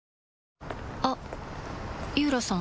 あっ井浦さん